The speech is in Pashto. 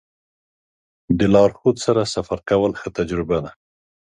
د لارښود سره سفر کول ښه تجربه ده.